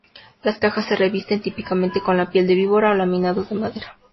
Las cajas se revisten típicamente con piel de víbora o laminados de madera.